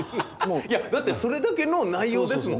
いやだってそれだけの内容ですもん。